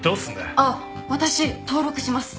あっ私登録します。